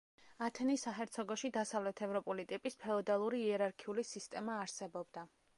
ათენის საჰერცოგოში დასავლეთ ევროპული ტიპის ფეოდალური იერარქიული სისტემა არსებობდა.